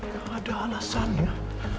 ga ada alasannya